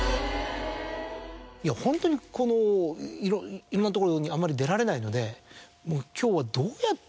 いやホントにいろんなところにあまり出られないのでもう今日は。